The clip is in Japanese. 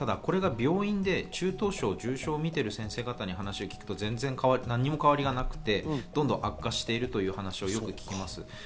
ただこれが病院で中等症、重症を見ている先生方に話を聞くと全然何も変わりはなくて、どんどん悪化しているという話を聞きます。